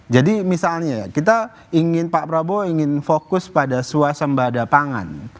jadi misalnya kita ingin pak prabowo ingin fokus pada suasembah depangan